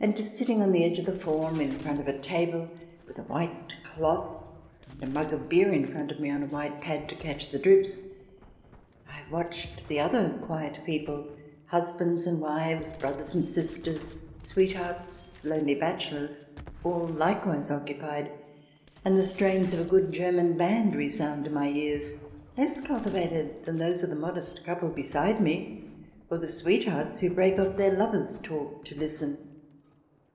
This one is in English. And sitting on the edge of the form, in front of a table with a white cloth and a mug of beer in front of me on a white pad to catch the drips, I have watched the other quiet people, husbands and wives, brothers and sisters, sweet hearts, lonely bachelors, all likewise occupied, and the strains of a good German band resound in my ears, less cultivated than those of the modest couple beside me, or the sweethearts who break off their lover's talk to listen.